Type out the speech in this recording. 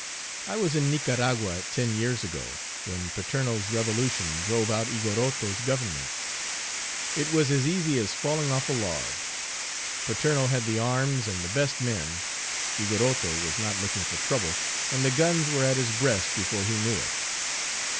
I was in Nicaragua, ten years ago, when Paterno's revolution drove out Igorroto's government. It was as easy as falling off a log. Paterno had the arms and the best men. Igorroto was not looking for trouble, and the guns were at his breast before he knew it.